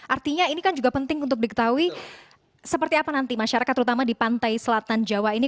artinya ini kan juga penting untuk diketahui seperti apa nanti masyarakat terutama di pantai selatan jawa ini